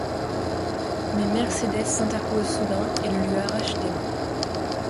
Mais Mercédès s’interpose soudain et le lui arrache des mains.